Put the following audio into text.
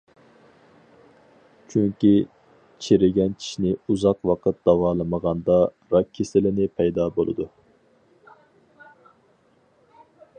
چۈنكى چىرىگەن چىشنى ئۇزاق ۋاقىت داۋالىمىغاندا، راك كېسىلىنى پەيدا بولىدۇ.